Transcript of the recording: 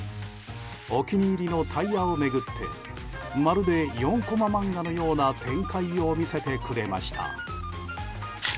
お気に入りのタイヤを巡ってまるで４コマ漫画のような展開を見せてくれました。